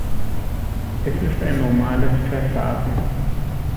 Es ist ein normales Verfahren.